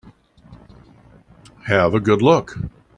Have a good look.